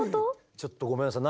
ちょっとごめんなさい。